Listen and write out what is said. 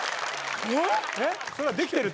えっ！？